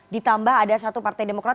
ditambah ada satu partai demokrat